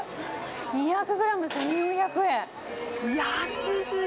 ２００グラム１４００円。